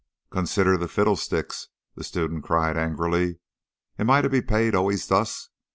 "Consider the fiddlesticks!" the student cried angrily. "Am I to be paid always thus?